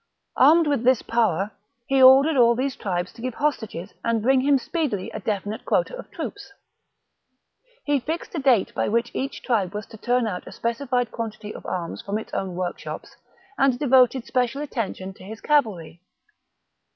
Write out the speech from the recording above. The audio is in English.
Armed with this power, he ordered all these tribes to give hostages and bring him speedily a definite quota of troops. He fixed a date by which each tribe was to turn out a specified quantity of arms from its own workshops, and devoted special attention to his cavalry.